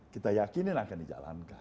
kita yakinin akan dijalankan